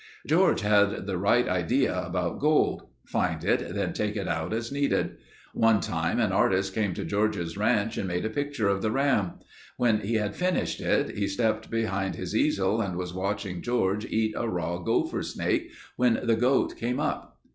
"George had the right idea about gold. Find it, then take it out as needed. One time an artist came to George's ranch and made a picture of the ram. When he had finished it he stepped behind his easel and was watching George eat a raw gopher snake when the goat came up.